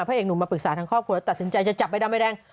เอกหนุ่มมาปรึกษาทางครอบครัวแล้วตัดสินใจจะจับใบดำใบแดง